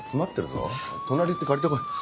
隣行って借りてこい。